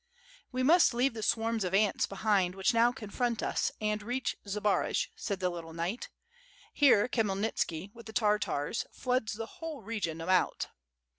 "We must leave the swarms of ants behind which now ccm front us and reach Zbaraj," said the little knight. "Here, Khmyelnitski, with the Tartars floods the whole region about."